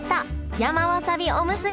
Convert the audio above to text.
山わさびおむすび！